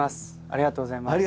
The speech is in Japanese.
ありがとうございます。